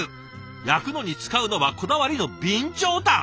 焼くのに使うのはこだわりの備長炭。